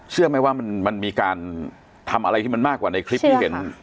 เชื่อไหมว่ามันมีการทำอะไรที่มันมากกว่าในคลิปที่เห็น